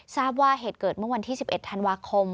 ทราบว่าเหตุเกิดเมื่อวันที่๑๑ธันวาคม